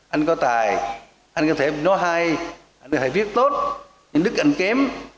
anh có tài anh có thể nói hay anh có thể viết tốt nhưng đức ảnh kém